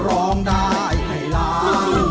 ร้องได้ให้ล้าน